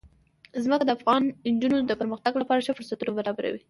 ځمکه د افغان نجونو د پرمختګ لپاره ښه فرصتونه برابروي.